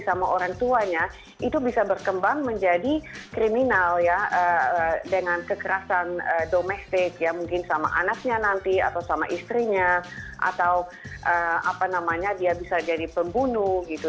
sama orang tuanya itu bisa berkembang menjadi kriminal ya dengan kekerasan domestik ya mungkin sama anaknya nanti atau sama istrinya atau apa namanya dia bisa jadi pembunuh gitu